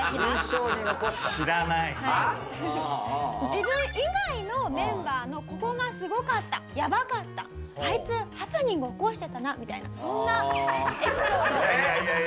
自分以外のメンバーのここがすごかったやばかったあいつハプニング起こしてたなみたいなそんなエピソードを頂ければと思います。